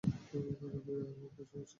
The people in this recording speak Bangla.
আরে ভাইয়া, আমার কেন সমস্যা হবে?